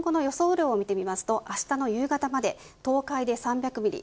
雨量を見てみますとあしたの夕方まで東海で３００ミリ